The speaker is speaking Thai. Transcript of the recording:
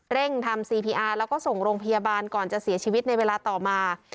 เร่งทำซีพีอาร์แล้วก็ส่งโรงพยาบาลก่อนจะเสียชีวิตในเวลาต่อมา